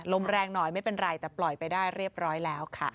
ลมแรงหน่อยไม่เป็นไรแต่ปล่อยไปได้เรียบร้อยแล้วค่ะ